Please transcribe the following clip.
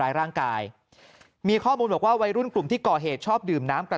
ร่างกายมีข้อมูลบอกว่าวัยรุ่นกลุ่มที่ก่อเหตุชอบดื่มน้ำกับ